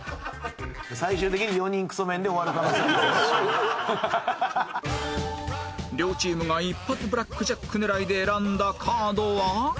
最終的に両チームが一発ブラックジャック狙いで選んだカードは？